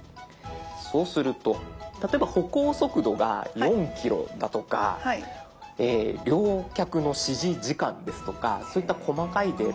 そうすると例えば歩行速度が４キロだとか両脚の支持時間ですとかそういった細かいデータ